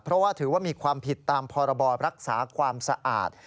เพราะว่าถือว่ามีความผิดตามพรบรักษาความสะอาด